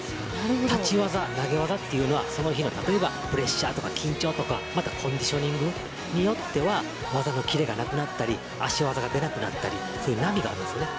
立ち技、投げ技というのはその日のプレッシャーや緊張とかコンディショニングによっては技のキレがなくなったり足技が出なくなったり波があるんですね。